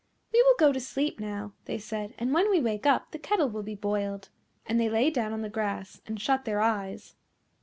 "We will go to sleep now," they said, "and when we wake up the kettle will be boiled;" and they lay down on the grass, and shut their eyes.